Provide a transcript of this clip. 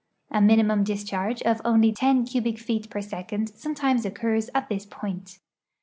A minimum discharge of only 10 cubic feet per second sometimes occurs at this i)oint.